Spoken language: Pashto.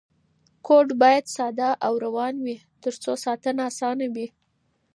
کوډ باید ساده او روان وي ترڅو ساتنه اسانه وي تل.